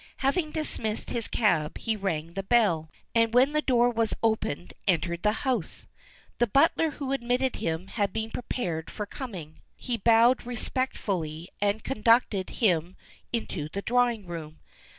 Having dismissed his cab he rang the bell, and when the door was opened entered the house. The butler who admitted him had been prepared for coming. He bowed respectfully, and conducted him into the drawing room.